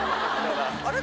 あれ？